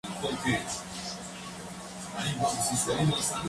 Pertenece al Grupo Intercom.